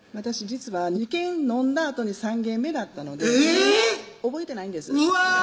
実は２軒飲んだあとに３軒目だったので覚えてないんですうわ！